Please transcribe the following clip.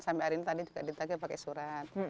sampai hari ini tadi juga ditagih pakai surat